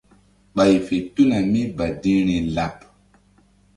Ɓay fe tuna mí badi̧hri laɓ.